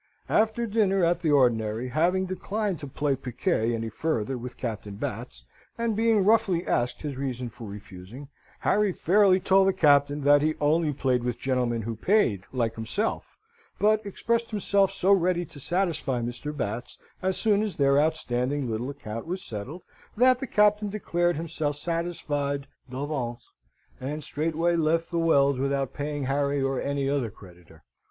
After dinner at the ordinary, having declined to play piquet any further with Captain Batts, and being roughly asked his reason for refusing, Harry fairly told the Captain that he only played with gentlemen who paid, like himself: but expressed himself so ready to satisfy Mr. Batts, as soon as their outstanding little account was settled, that the Captain declared himself satisfied d'avance, and straightway left the Wells without paying Harry or any other creditor.